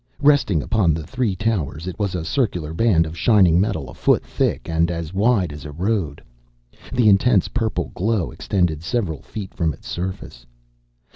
Resting upon the three towers, it was a circular band of shining metal a foot thick and as wide as a road. The intense purple glow extended several feet from its surface.